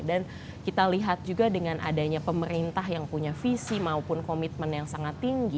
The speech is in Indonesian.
dan kita lihat juga dengan adanya pemerintah yang punya visi maupun komitmen yang sangat tinggi